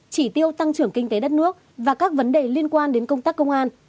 chỉ tiêu tăng trưởng kinh tế đất nước và các vấn đề liên quan đến công tác công an